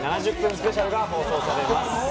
スペシャルが放送されます。